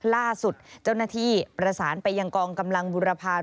ล่าสุดเจ้าหน้าที่ประสานไปยังกองกำลังบุรพา